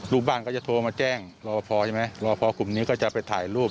ลูกบ้านก็จะโทรมาแจ้งรอพอใช่ไหมรอพอกลุ่มนี้ก็จะไปถ่ายรูป